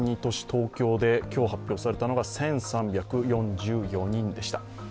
東京で今日発表されたのが１３４４人でした。